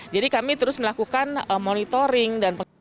jadi kami terus melakukan monitoring